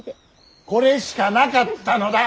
これしかなかったのだ！